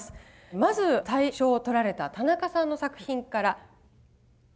まず大賞を取られた田中さんの作品から。